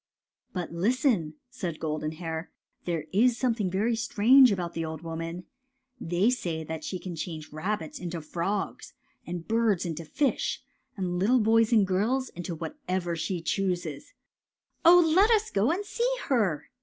'' But listen," said Golden Hair. ^* There is something very strange about the old woman. They say she can change rabbits into frogs and birds into fish and little boys and girls into whatsoever she chooses." ^' Oh, let us go and see her!